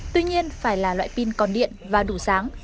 tuy nhiên phải là loại pin còn điện và đủ sáng